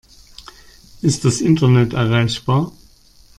Ist das Internet erreichbar?